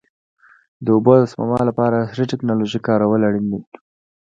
د اوبو د سپما لپاره عصري ټکنالوژي کارول اړین دي.